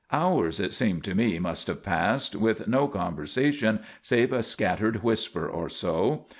Hours it seemed to me must have passed, with no conversation save a scattered whisper or so.